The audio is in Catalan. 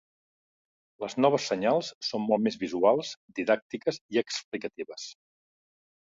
Les noves senyals són molt més visuals, didàctiques i explicatives.